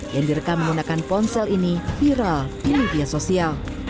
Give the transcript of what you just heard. yang direkam menggunakan ponsel ini viral di media sosial